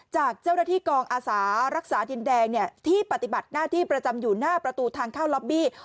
จากเจ้าหน้าที่กองอาสารักษาดินแดงที่ปฏิบัติหน้าที่ประจำอยู่หน้าประตูทางเข้าล็อบบี้